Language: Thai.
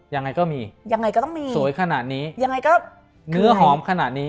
ยังไงก็มีสวยขนาดนี้เนื้อหอมขนาดนี้